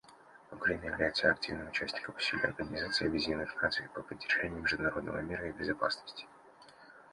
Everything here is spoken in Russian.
Украина является активным участником усилий Организации Объединенных Наций по поддержанию международного мира и безопасности.